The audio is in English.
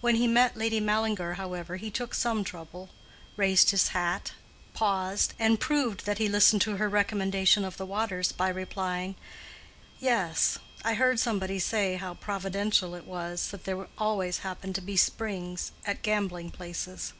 When he met Lady Mallinger, however, he took some trouble—raised his hat, paused, and proved that he listened to her recommendation of the waters by replying, "Yes; I heard somebody say how providential it was that there always happened to be springs at gambling places."